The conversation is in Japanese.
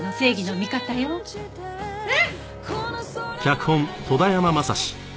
うん！